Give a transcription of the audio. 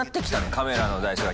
カメラの台数が。